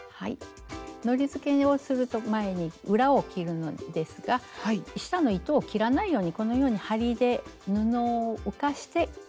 のりづけをする前に裏を切るのですが下の糸を切らないようにこのように針で布を浮かして。